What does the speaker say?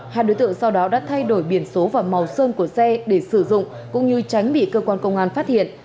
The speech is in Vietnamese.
hai đối tượng sau đó đã thay đổi biển số và màu sơn của xe để sử dụng cũng như tránh bị cơ quan công an phát hiện